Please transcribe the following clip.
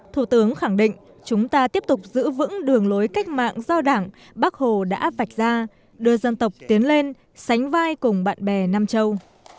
thủ tướng khẳng định chúng ta tiếp tục giữ vững đường lối cách mạng do đảng bác hồ đã vạch ra đưa dân tộc tiến lên sánh vai cùng bạn bè nam châu